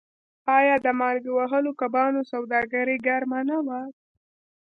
آیا د مالګې وهلو کبانو سوداګري ګرمه نه وه؟